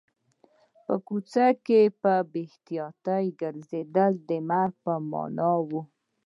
په کوڅه کې په بې احتیاطۍ ګرځېدل د مرګ په معنا و